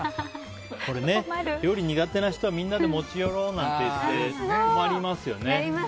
これね、料理苦手な人はみんなで持ち寄ろうなんて言って困りますよね。